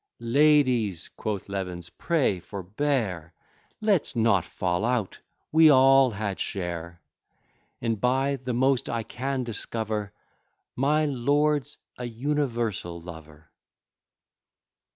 Ladies, quoth Levens, pray forbear; Let's not fall out; we all had share; And, by the most I can discover, My lord's a universal lover.